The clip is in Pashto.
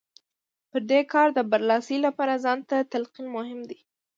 پر دې کار د برلاسۍ لپاره ځان ته تلقين مهم دی.